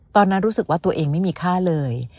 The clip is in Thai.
ตอนนั้นรู้สึกว่าตัวเองไม่มีค่าเลย